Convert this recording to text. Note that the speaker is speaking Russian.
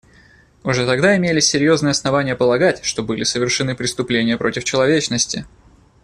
Уже тогда имелись серьезные основания полагать, что были совершены преступления против человечности.